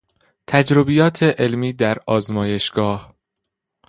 تجربیات علمی در آزمایشگاه